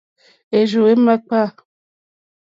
Érzù é màkpá.